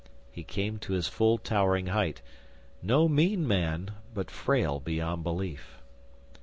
He came to his full towering height no mean man, but frail beyond belief.